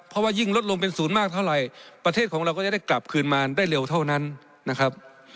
เพราะว่ายิ่งลดลงเป็นศูนย์มากเท่าไหร่ประเทศของเราก็จะได้กลับคืนมาได้เร็วเท่านั้นนะครับ